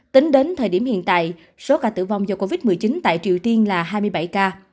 tính đến thời điểm hiện tại số ca tử vong do covid một mươi chín tại triều tiên là hai mươi bảy ca